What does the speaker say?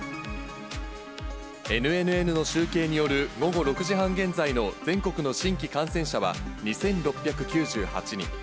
ＮＮＮの集計による、午後６時半現在の全国の新規感染者は２６９８人。